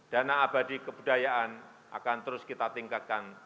dana abadi kebudayaan akan terus kita tingkatkan